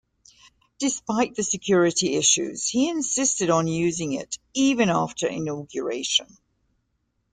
Despite the security issues, he insisted on using it even after inauguration.